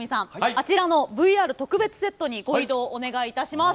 あちらのＶＲ特別セットにご移動お願いいたします。